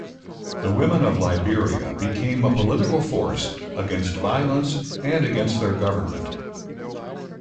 The women of Liberia became a political force against violence and against their government.